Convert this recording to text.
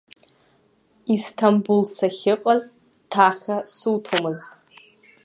Исҭамбул сахьыҟаз ҭаха суҭомызт.